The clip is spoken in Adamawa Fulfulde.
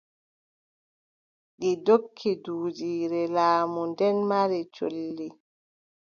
Ɗi ndokki duujiire laamu, nden mari colli.